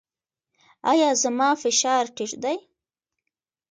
ایا زما فشار ټیټ دی؟